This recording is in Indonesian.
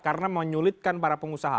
karena menyulitkan para pengusaha